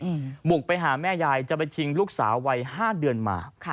หมุกไปหาแม่ยายจะไปทิ้งลูกสาวัย๕เดือนมา